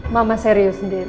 mama serius den